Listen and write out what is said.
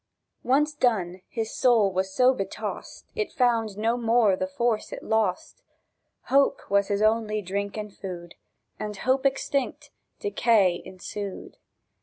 Once done, his soul was so betossed, It found no more the force it lost: Hope was his only drink and food, And hope extinct, decay ensued.